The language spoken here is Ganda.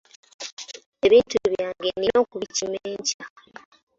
Ebintu byange nina okubikima enkya.